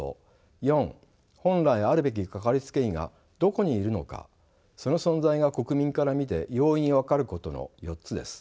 ４本来あるべきかかりつけ医がどこにいるのかその存在が国民から見て容易に分かることの４つです。